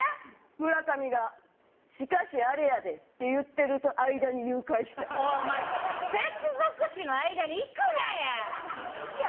村上が「しかしあれやで」って言ってる間に誘拐したおいお前接続詞の間にいくなや！